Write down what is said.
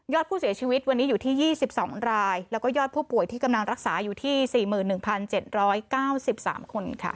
ยอดผู้เสียชีวิตวันนี้อยู่ที่ยี่สิบสองรายแล้วก็ยอดผู้ป่วยที่กำลังรักษาอยู่ที่สี่หมื่นหนึ่งพันเจ็ดร้อยเก้าสิบสามคนค่ะ